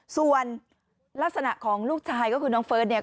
ส่วนลักษณะของลูกชายก็คือน้องเฟิร์สเนี่ย